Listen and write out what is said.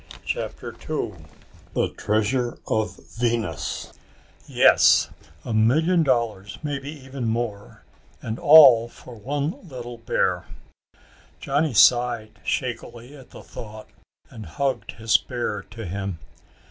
CHAPTER TWO The Treasure of Venus Yes, a million dollars, maybe even more, and all for one little bear! Johnny sighed shakily at the thought and hugged his bear to him.